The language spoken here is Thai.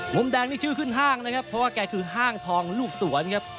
มุมแดงนี่ชื่อขึ้นห้างนะครับเพราะว่าแกคือห้างทองลูกสวนครับ